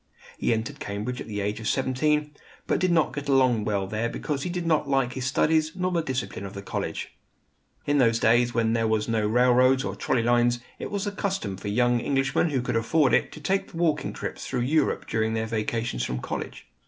He entered Cambridge at the age of seventeen; but did not get along well there because he did not like his studies nor the discipline of the college. In those days, when there was no railroads or trolley lines, it was the custom for young Englishmen who could afford it to take walking trips through Europe during their vacations from college.